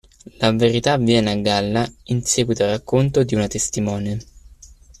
La verità viene a galla in seguito al racconto di una testimone.